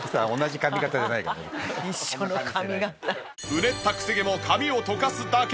うねったクセ毛も髪をとかすだけ。